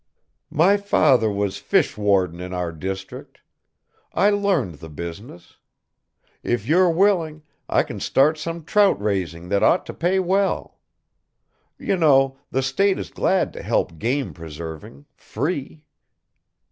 "My father was fish warden in our district. I learned the business. If you're willing, I can start some trout raising that ought to pay well. You know, the State is glad to help game preserving, free."